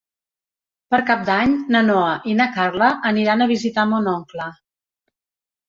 Per Cap d'Any na Noa i na Carla aniran a visitar mon oncle.